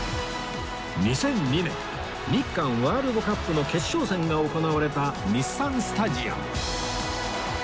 ２００２年日韓ワールドカップの決勝戦が行われた日産スタジアム